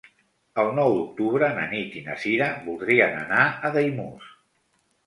El nou d'octubre na Nit i na Sira voldrien anar a Daimús.